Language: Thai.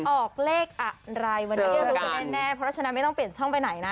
ออกเลขอะไรวันนี้ได้รู้กันแน่เพราะฉะนั้นไม่ต้องเปลี่ยนช่องไปไหนนะ